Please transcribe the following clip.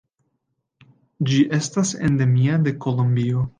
Ĝi estas endemia de Kolombio.